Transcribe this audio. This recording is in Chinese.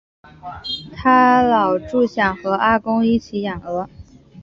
她老著想和阿公一起养鹅